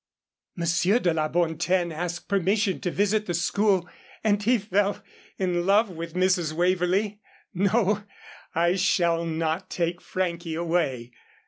"Monsieur de la Bontaine asked permission to visit the school, and he quite fell in love with Mrs. Waverlee. No, I shall not take Frankie away.